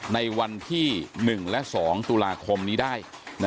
ในวันที่๑และ๒ตุลาคมนี้ได้